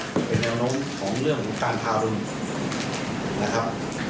เป็นแนวน้องของเรื่องการพาลุนนะครับ